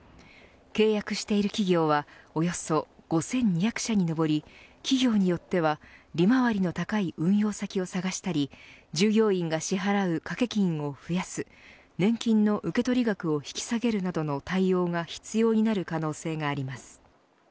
契約している企業はおよそ５２００社に上り企業によっては利回りの高い運用先を探したり従業員が支払う掛け金を増やす年金の受取額を引き下げるなどの対応が必要になる可能性があります。